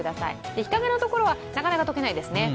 日陰のところはなかなか解けないですね。